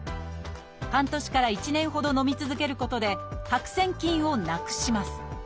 半年から１年ほどのみ続けることで白癬菌をなくします。